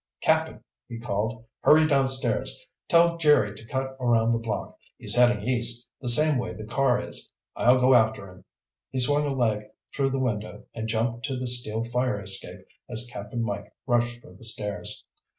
"Cap'n," he called. "Hurry downstairs! Tell Jerry to cut around the block. He's heading east, the same way the car is. I'll go after him!" He swung a leg through the window and jumped to the steel fire escape as Cap'n Mike rushed for the stairs.